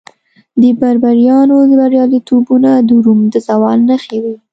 د بربریانو بریالیتوبونه د روم د زوال نښې وې